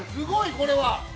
これは。